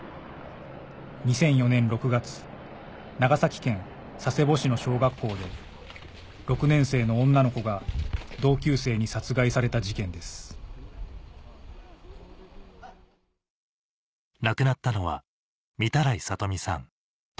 ２００４年６月長崎県佐世保市の小学校で６年生の女の子が同級生に殺害された事件ですよろしいですか？